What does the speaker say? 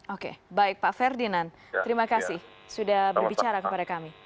oke baik pak ferdinand terima kasih sudah berbicara kepada kami